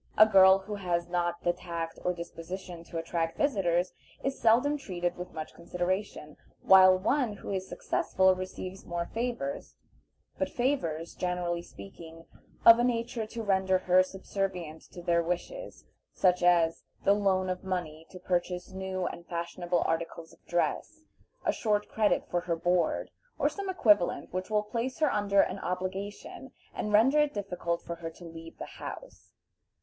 A girl who has not the tact or disposition to attract visitors is seldom treated with much consideration, while one who is successful receives more favors, but favors, generally speaking, of a nature to render her subservient to their wishes; such as the loan of money to purchase new and fashionable articles of dress, a short credit for her board, or some equivalent which will place her under an obligation, and render it difficult for her to leave the house.